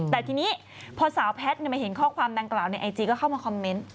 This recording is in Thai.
แต่ทีนี้พอสาวแพทย์มาเห็นข้อความดังกล่าวในไอจีก็เข้ามาคอมเมนต์